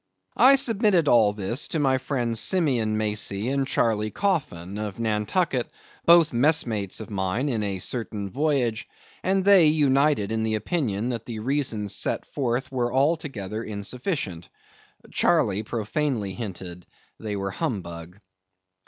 I submitted all this to my friends Simeon Macey and Charley Coffin, of Nantucket, both messmates of mine in a certain voyage, and they united in the opinion that the reasons set forth were altogether insufficient. Charley profanely hinted they were humbug.